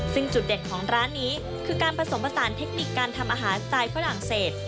ซึ่งจุดเด็ดของร้านนี้คือการผสมผสานเทคนิคการทำอาหารสไตล์ฝรั่งเศส